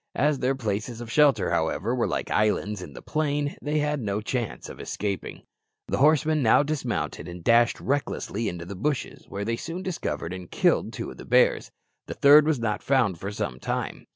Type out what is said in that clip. As their places of shelter, however, were like islands in the plain, they had no chance of escaping. The horsemen now dismounted and dashed recklessly into the bushes, where they soon discovered and killed two of the bears; the third was not found for some time.